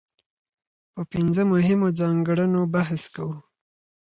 په پنځه مهمو ځانګړنو بحث کوو.